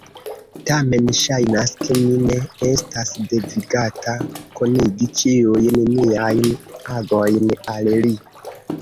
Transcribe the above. Tamen ŝajnas, ke mi ne estas devigata konigi ĉiujn miajn agojn al li.